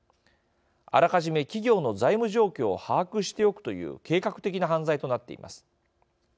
あらかじめ企業の財務状況を把握しておくという計画的な犯罪となっています。